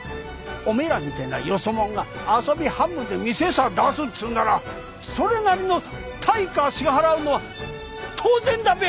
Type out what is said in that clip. お前らみてえなよそ者が遊び半分で店さ出すっつうんならそれなりの対価支払うのは当然だべ！